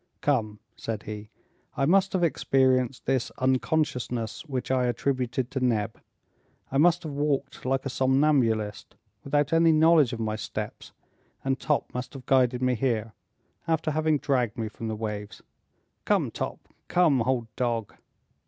"Come," said he, "I must have experienced this unconsciousness which I attributed to Neb. I must have walked like a somnambulist, without any knowledge of my steps, and Top must have guided me here, after having dragged me from the waves... Come, Top! Come, old dog!"